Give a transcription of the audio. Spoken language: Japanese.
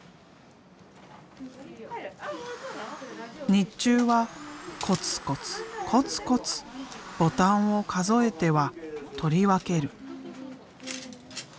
日中はコツコツコツコツボタンを数えては取り分ける。